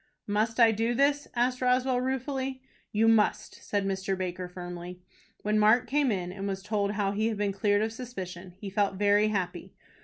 "Must I do this?" asked Roswell, ruefully. "You must," said Mr. Baker, firmly. When Mark came in, and was told how he had been cleared of suspicion, he felt very happy.